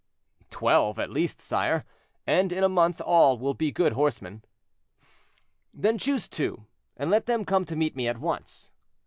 "Twelve, at least, sire; and in a month all will be good horsemen." "Then choose two, and let them come to me at once."